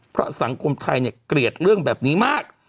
เพราะสังคมไทยเนี่ยเกลียดเรื่องแบบนี้มาก